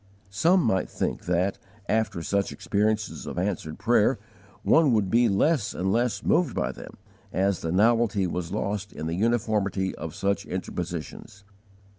Some might think that, after such experiences of answered prayer, one would be less and less moved by them, as the novelty was lost in the uniformity of such interpositions.